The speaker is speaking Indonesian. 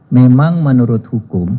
memang menurut hukum